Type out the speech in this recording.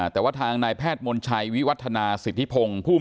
แต่ว่าท้ายนายแพทย์มนต์ชัยวิพวัตถนาจิปทรีย์พรงภูมิ